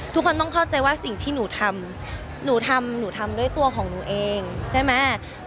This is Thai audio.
ทุกคนต้องเข้าใจว่าสิ่งที่หนูทำหนูทำหนูทำด้วยตัวของหนูเองใช่ไหม